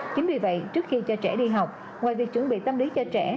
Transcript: chính vì vậy trước khi cho trẻ đi học ngoài việc chuẩn bị tâm lý cho trẻ